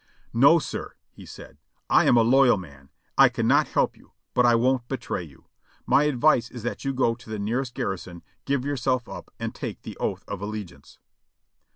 "No, sir !" he said, "I am a loyal man ; I can not help you, but I won't betray you. My advice is that you go to the nearest gar rison, give yourself up and take the oath of allegiance."